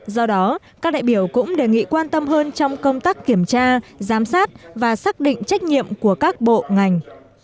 do đó các đại biểu cũng đề nghị quan tâm hơn trong công tác kiểm tra giám sát và xác định trách nhiệm của các bộ ngành